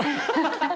ハハハッ！